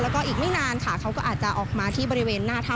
แล้วก็อีกไม่นานค่ะเขาก็อาจจะออกมาที่บริเวณหน้าถ้ำ